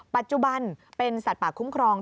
ปัจจุบันเป็นสัตว์ป่าคุ้มครอง